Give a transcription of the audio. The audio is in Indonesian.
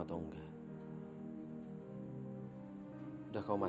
kita batasi sabar